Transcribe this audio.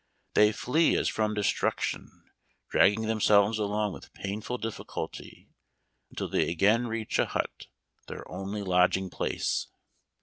They flee as from destruction, dragging themselves along with painful difficulty, until they again reach hut, their only lodging place.